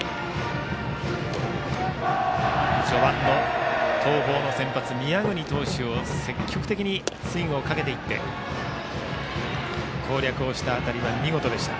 序盤の東邦の先発、宮國投手を積極的にスイングをかけていって攻略をした当たりは見事でした。